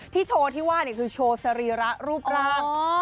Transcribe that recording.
ที่โชว์ที่ว่าเนี่ยคือโชว์สรีระรูปราบ